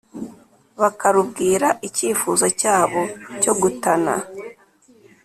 bakarubwira icyifuzo cyabo cyo gutana